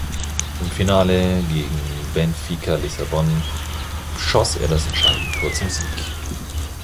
Im Finale gegen Benfica Lissabon schoss er das entscheidende Tor zum Sieg.